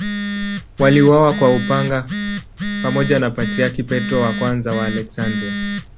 Waliuawa kwa upanga pamoja na Patriarki Petro I wa Aleksandria.